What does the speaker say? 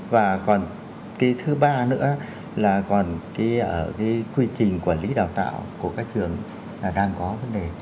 và còn cái thứ ba nữa là còn ở cái quy trình quản lý đào tạo của các trường là đang có vấn đề